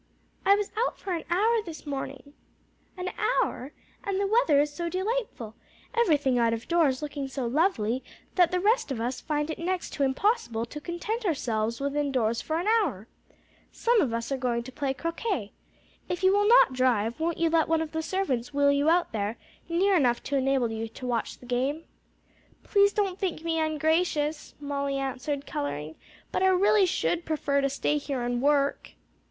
"I was out for an hour this morning." "An hour! and the weather is so delightful, everything out of doors looking so lovely, that the rest of us find it next to impossible to content ourselves within doors for an hour. Some of us are going to play croquet. If you will not drive, won't you let one of the servants wheel you out there near enough to enable you to watch the game?" "Please don't think me ungracious," Molly answered, coloring, "but I really should prefer to stay here and work."